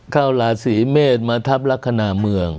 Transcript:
เข้าลาศรีเมษมาทับลักษณะเมือง